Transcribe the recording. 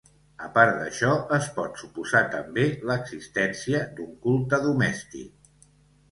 A part d'això, es pot suposar també l'existència d'un culte domèstic.